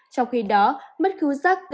trong khi đó mất khứu giác